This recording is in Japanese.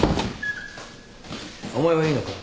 お前はいいのか？